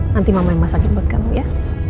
nanti mama yang masakin buat kamu ya